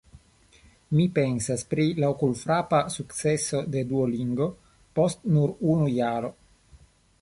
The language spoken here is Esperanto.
Mi pensas pri la okulfrapa sukceso de Duolingo post nur unu jaro.